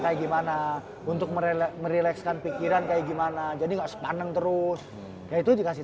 kayak gimana untuk merelekskan pikiran kayak gimana jadi nggak sepaneng terus yaitu dikasih